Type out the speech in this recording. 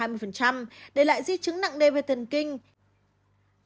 đề lại di chứng nặng đê về thần kinh